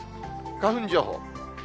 花粉情報。